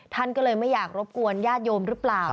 ท่านก็เลยไม่อยากรบกวนญาติโยมหรือเปล่า